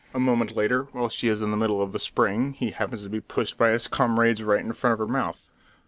A moment later, while she is in the middle of a spring, he happens to be pushed by his comrades right in front of her mouth.